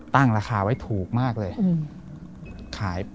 ราคาไว้ถูกมากเลย